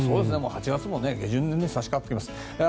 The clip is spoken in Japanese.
８月も下旬に差しかかっています。